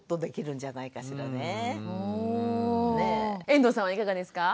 遠藤さんはいかがですか？